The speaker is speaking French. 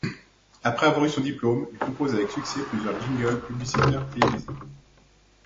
Après avoir eu son diplôme, il compose avec succès plusieurs jingles publicitaires télévisés.